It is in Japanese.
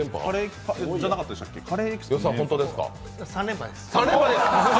いや、３連覇です。